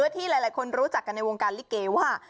ทั้งหลายคนรู้จักกันการที่วงการหลีเกว่า